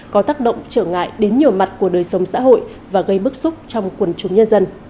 có tác động trở ngại đến nhiều mặt của đời sống xã hội và gây bức xúc trong quần chúng nhân dân